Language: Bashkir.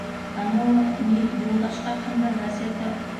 — Анауы, ни, Юлдаш хаҡында газета...